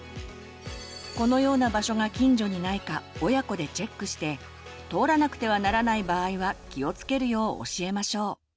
このような場所が近所にないか親子でチェックして通らなくてはならない場合は気をつけるよう教えましょう。